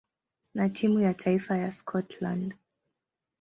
na timu ya taifa ya Scotland.